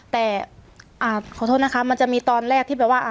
แต่ขอโทษนะคะมันจะมีตอนแรกที่แบบว่า